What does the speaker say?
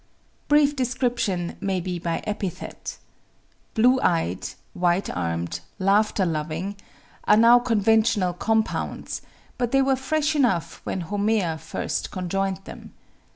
Brief description may be by epithet. "Blue eyed," "white armed," "laughter loving," are now conventional compounds, but they were fresh enough when Homer first conjoined them.